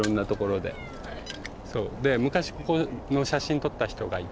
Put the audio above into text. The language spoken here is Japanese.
で昔ここの写真撮った人がいて。